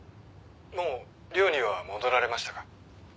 もう寮には戻られましたか？